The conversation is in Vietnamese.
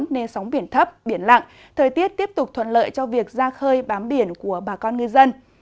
nên sóng biển thấp biển lặng thời tiết tiếp tục thuận lợi cho việc ra khơi bám biển của bà con ngư dân